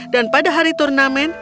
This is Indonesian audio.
dan pada hari turnamen